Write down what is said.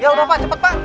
ya udah pak cepet pak